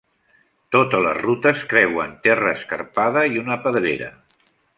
Totes les rutes creuen terra escarpada i una pedrera.